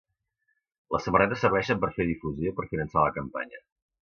Les samarretes serveixen per fer difusió i per finançar la campanya.